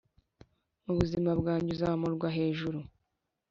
mubuzima bwanjye uzamurwa hejuru